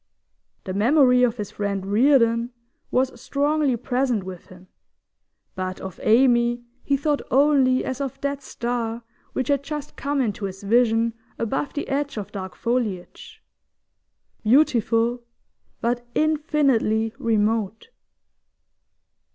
The memory of his friend Reardon was strongly present with him, but of Amy he thought only as of that star which had just come into his vision above the edge of dark foliage beautiful, but infinitely remote.